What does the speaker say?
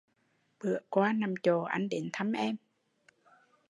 Bữa qua nằm chộ anh đến thăm em